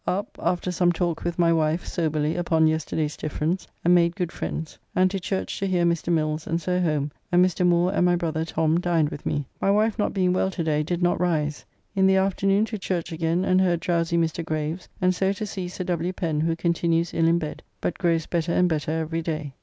Up, after some talk with my wife, soberly, upon yesterday's difference, and made good friends, and to church to hear Mr. Mills, and so home, and Mr. Moore and my brother Tom dined with me. My wife not being well to day did not rise. In the afternoon to church again, and heard drowsy Mr. Graves, and so to see Sir W. Pen, who continues ill in bed, but grows better and better every day.